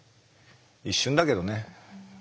一瞬だけどね。